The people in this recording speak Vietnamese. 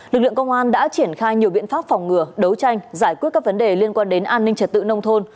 lực lượng công an đã triển khai nhiều biện pháp phòng ngừa đấu tranh giải quyết các vấn đề liên quan đến an ninh trật tự nông thôn